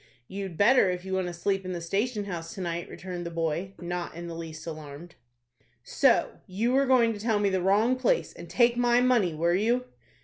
"You'd better if you want to sleep in the station house to night," returned the boy, not in the least alarmed. "So you were going to tell me the wrong place, and take my money, were you?"